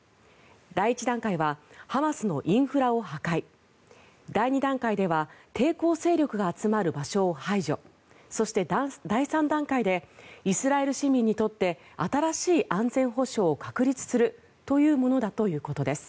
第１段階はハマスのインフラを破壊第２段階では抵抗勢力が集まる場所を排除そして、第３段階でイスラエル市民にとって新しい安全保障を確立するというものだということです。